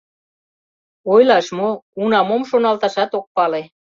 Ойлаш мо, уна мом шоналташат ок пале.